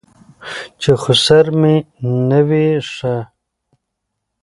چې خسر مې نه وي ښه.